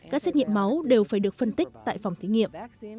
các xét nghiệm máu đều phải được phân tích tại phòng thí nghiệm